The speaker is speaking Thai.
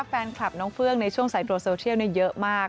แฟนคลับน้องเฟื่องในช่วงสายตรวจโซเชียลเยอะมาก